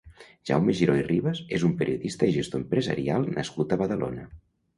Jaume Giró i Ribas és un periodista i gestor empresarial nascut a Badalona.